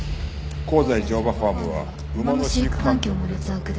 「香西乗馬ファームは馬の飼育環境も劣悪で」